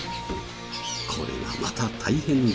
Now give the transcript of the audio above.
これがまた大変で。